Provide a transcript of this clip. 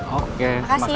oke makasih sama sama